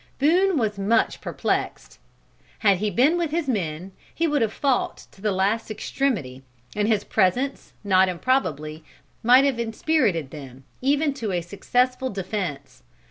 Boone was much perplexed. Had he been with his men, he would have fought to the last extremity, and his presence not improbably might have inspirited them, even to a successful defence.